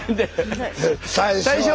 最初は。